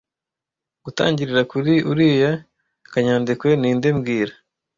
Gutangirira kuri uriya kanyandekwe ninde mbwira